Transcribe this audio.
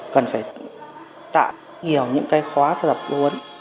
cần phải tạo nhiều những cái khóa thập huấn